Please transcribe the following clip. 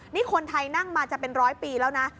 นี่คนไทยนั่งมาจะเป็นร้อยปีแล้วนะ